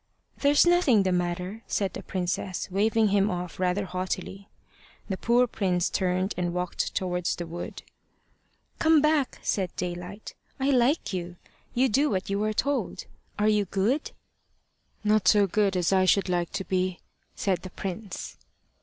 "There's nothing the matter," said the princess, waving him off rather haughtily. The poor prince turned and walked towards the wood. "Come back," said Daylight: "I like you. You do what you are told. Are you good?" "Not so good as I should like to be," said the prince.